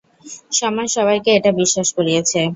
সমাজ সবাইকে এটা বিশ্বাস করিয়েছে।